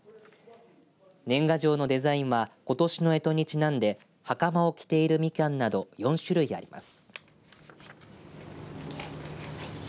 年賀状のデザインはことしのえとにちなんではかまを着ているみきゃんなど４種類あります。